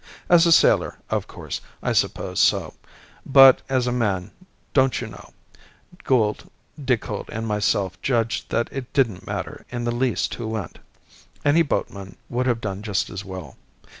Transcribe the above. As a sailor, of course, I suppose so. But as a man, don't you know, Gould, Decoud, and myself judged that it didn't matter in the least who went. Any boatman would have done just as well.